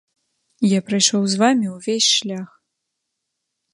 Я прайшоў з вамі ўвесь шлях.